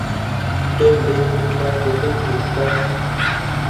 دۆم بێت و کڵاش بۆ خۆی دروست کات